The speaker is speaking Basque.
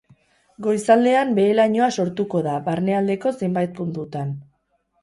Goizaldean behe-lainoa sortuko da barnealdeko zenbait puntutan.